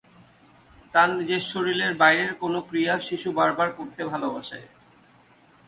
তার নিজের শরীরের বাইরের কোন ক্রিয়া শিশু বার বার করতে ভালোবাসে।